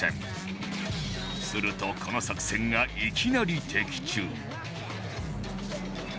するとこの作戦がいきなり的中！